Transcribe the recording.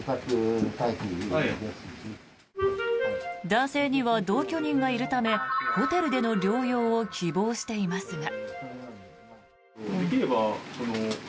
男性には同居人がいるためホテルでの療養を希望していますが。